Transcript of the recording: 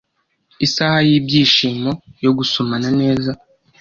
isaha y'ibyishimo yo gusomana neza